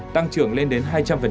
tăng trưởng lên đến hai trăm linh